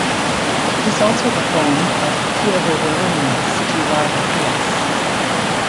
It is also the home of Chievo Verona city rival Hellas.